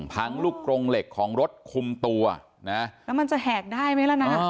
ลูกกรงเหล็กของรถคุมตัวนะแล้วมันจะแหกได้ไหมล่ะนะ